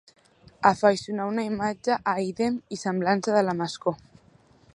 Afaiçonar una imatge a ídem i semblança de la Mascó.